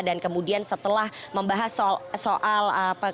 dan kemudian setelah membahas soal keinginan